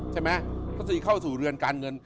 ใช่ไหมทัศนีเข้าสู่เรือนการเงิน